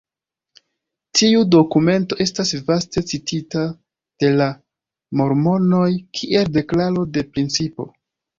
Tiu dokumento estas vaste citita de la mormonoj kiel deklaro de principo.